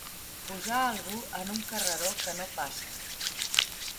Posar algú en un carreró que no passa.